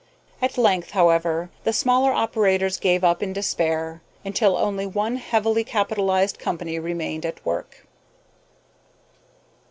At length, however, the smaller operators gave up in despair, until only one heavily capitalized company remained at work.